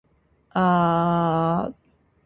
大人になってもお年玉欲しいなぁ。